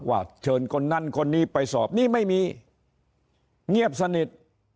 เชิญคนนั้นคนนี้ไปสอบนี่ไม่มีเงียบสนิท